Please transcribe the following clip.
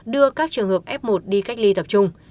đưa các trường hợp f một đi cách ly tập trung